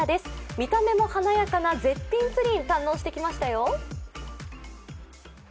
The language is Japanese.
見た目も華やかな絶品プリン、堪能してきましたよ。